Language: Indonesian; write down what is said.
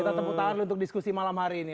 kita tepuk tangan dulu untuk diskusi malam hari ini